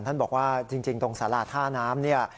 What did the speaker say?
ท่านบอกว่าจริงตรงสาราท่าน้ำเนี่ย